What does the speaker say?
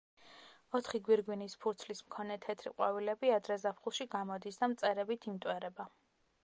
ოთხი გვირგვინის ფურცლის მქონე თეთრი ყვავილები ადრე ზაფხულში გამოდის და მწერებით იმტვერება.